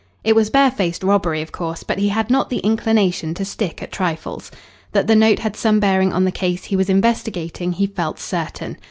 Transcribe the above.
It was barefaced robbery, of course, but he had not the inclination to stick at trifles. That the note had some bearing on the case he was investigating he felt certain.